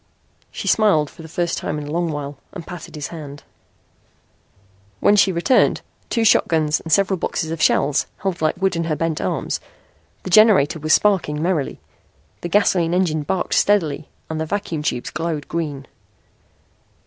She smiled for the first time in a long while and patted his hand. When she returned, two shotguns and several boxes of shells held like wood in her bent arms, the generator was sparkling merrily. The gasoline engine barked steadily and the vacuum tubes glowed green.